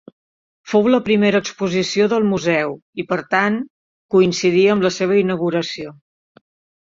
Fou la primera exposició del Museu i, per tant, coincidí amb la seva inauguració.